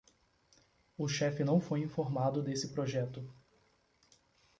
O chefe não foi informado desse projeto